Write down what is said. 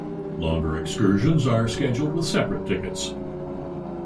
Longer excursions are scheduled with separate tickets.